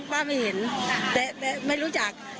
ไม่เห็นแต่ไม่รู้จัก